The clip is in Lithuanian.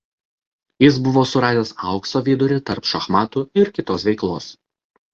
Jis buvo suradęs aukso vidurį tarp šachmatų ir kitos veiklos.